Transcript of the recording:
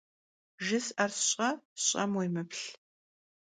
Jjıs'er ş'e, sş'em vuêmıplh.